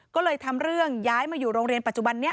ก็เลยทำเรื่องย้ายมาอยู่โรงเรียนปัจจุบันนี้